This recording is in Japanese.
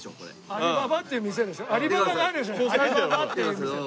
アリババっていう店。